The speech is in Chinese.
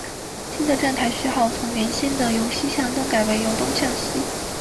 新的站台序号从原先的由西向东改为由东向西。